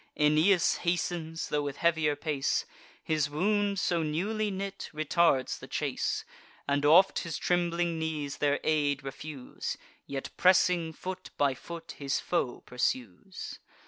Aeneas hastens, tho' with heavier pace— His wound, so newly knit, retards the chase, And oft his trembling knees their aid refuse— Yet, pressing foot by foot, his foe pursues.